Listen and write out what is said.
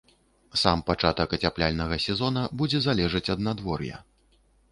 Сам пачатак ацяпляльнага сезона будзе залежаць ад надвор'я.